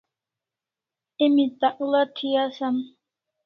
Emi takl'a thi asan